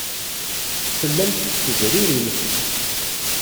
Tellamt tettezririmt.